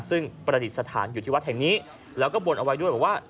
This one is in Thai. ซึ่งประดิษฐานอยู่ที่วัดแห่งนี้แล้วก็บนเอาไว้ด้วยบอกว่า